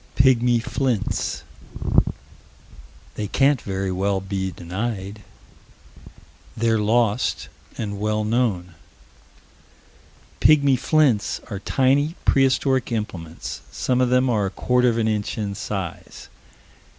"Pigmy flints." They can't very well be denied. They're lost and well known. "Pigmy flints" are tiny, prehistoric implements. Some of them are a quarter of an inch in size.